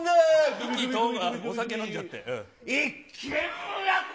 お酒飲んじゃって。